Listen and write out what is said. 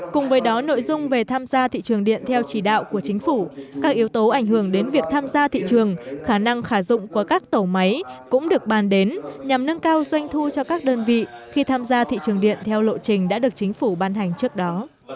cùng với đó nội dung về tham gia thị trường điện theo chỉ đạo của chính phủ các yếu tố ảnh hưởng đến việc tham gia thị trường khả năng khả dụng của các tổ máy cũng được ban đến nhằm nâng cao doanh thu cho các đơn vị khi tham gia thị trường điện theo lộ trình đã được chính phủ ban hành trước đó